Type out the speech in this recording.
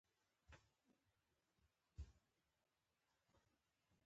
رپول یې له ناکامه وزرونه